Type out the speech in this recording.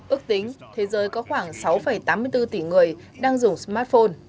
ước tính thế giới có khoảng sáu tám mươi bốn tỷ người đang dùng smartphone